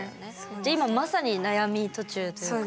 じゃあ今まさに悩み途中というか。